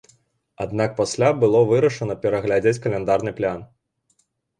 Аднак пасля было вырашана пераглядзець каляндарны план.